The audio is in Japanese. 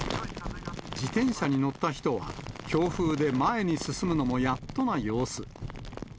自転車に乗った人は、強風で前に進むのもやっとな様子。